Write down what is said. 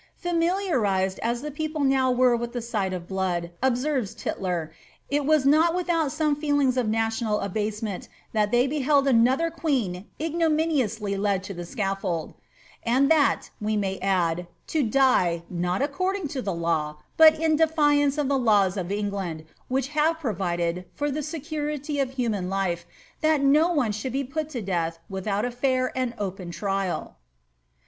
''Familiarised as the people now were with llie sight of blood," observes Tyller," it was not without some feelings of nniional abasemenl that they beheld another queen ignominiously led to the scaffold," and that, we may add, to die, not according to the law, but in defiance of tha itwB of Enghind, which have provided, for the security of human life, iliat no one shall be put to death without a fair and open trial.